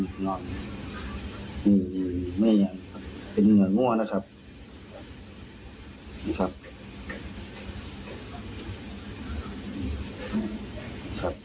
ไม่เหนียงครับเป็นเหนื่อยง่วงนะครับ